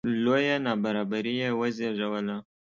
لویه نابرابري یې وزېږوله